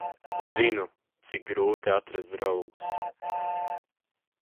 Zinu, cik grūti atrast draugus.